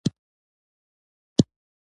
نو هېڅکله به دومره لويه تاريخي بريا